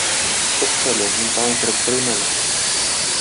Тукта әле, мин тагын кереп сорыйм әле.